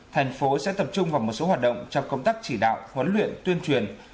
thành phố sẽ tập trung vào một số hoạt động trong công tác chỉ đạo huấn luyện tuyên truyền